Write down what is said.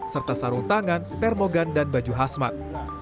serta sarung tangan termogan dan baju khasmat